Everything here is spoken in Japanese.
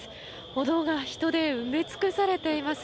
歩道が人で埋め尽くされています。